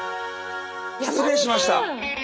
失礼しました。